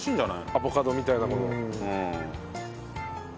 アボカドみたいな。